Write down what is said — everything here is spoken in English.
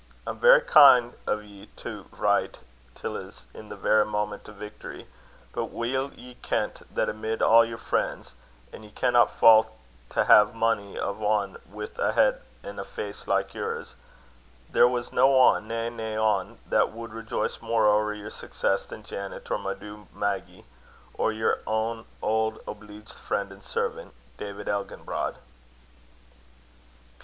It's verra kin' o' ye to vrite till's in the verra moment o' victory; but weel ye kent that amid a' yer frien's an' ye canna fail to hae mony a ane, wi' a head an' a face like yours there was na ane na, no ane, that wad rejoice mair ower your success than Janet, or my doo, Maggie, or yer ain auld obleeged frien' an' servant, "DAVID ELGINBROD.